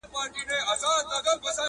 هغه لمرونو هغه واورو آزمېیلی چنار٫